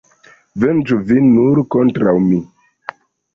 Venĝu vin nur kontraŭ mi.